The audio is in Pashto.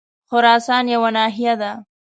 خراسان یوه ناحیه ده.